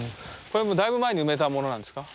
これもだいぶ前に埋めたものなんですか？